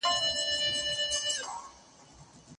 مطالعه د ټولنیز ژوند کلتور ښووي.